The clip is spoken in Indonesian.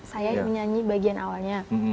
saya yang nyanyi bagian awalnya